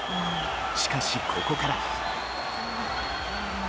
しかし、ここから。